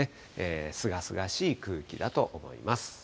すがすがしい空気だと思います。